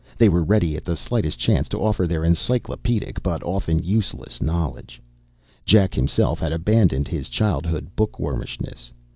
They were ready at the slightest chance to offer their encyclopaedic but often useless knowledge. Jack himself had abandoned his childhood bookwormishness.